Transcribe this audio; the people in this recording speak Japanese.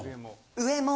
上も。